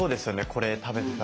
これ食べてたら。